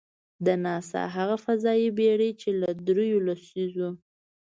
د ناسا هغه فضايي بېړۍ، چې له درېیو لسیزو .